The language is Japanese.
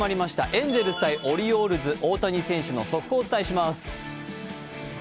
エンゼルス×オリオールズ大谷選手の速報をお伝えします。